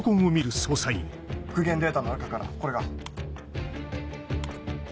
復元データの中からこれが。